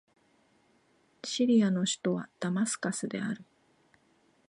シリアの首都はダマスカスである